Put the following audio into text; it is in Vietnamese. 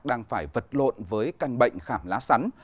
đang phải vật lộn với căn bệnh khảm lá sắn